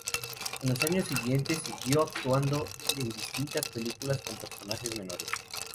En los años siguiente siguió actuando en distintas películas con personajes menores.